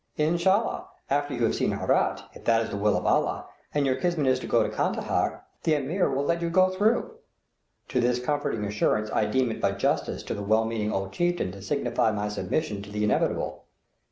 Inshallah, after you have seen Herat, if it is the will of Allah, and your kismet to go to Kandahar, the Ameer will let you go." To this comforting assurance I deem it but justice to the well meaning old chieftain to signify my submission to the inevitable.